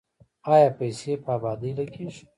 آیا دا پیسې په ابادۍ لګیږي؟